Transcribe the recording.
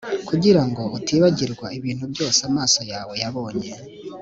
kugira ngo utibagirwa ibintu byose amaso yawe yabonye.